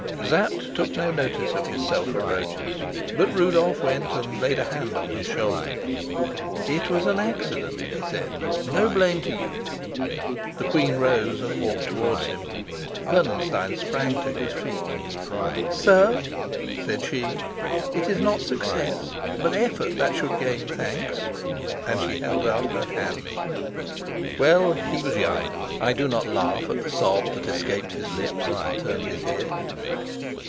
Sapt took no notice of his self reproaches. But Rudolf went and laid a hand on his shoulder. "It was an accident," he said. "No blame to you." The queen rose and walked towards him; Bernenstein sprang to his feet. "Sir," said she, "it is not success but effort that should gain thanks," and she held out her hand. Well, he was young; I do not laugh at the sob that escaped his lips as he turned his head.